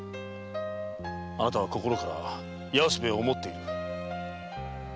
あなたは心から安兵衛を想っている。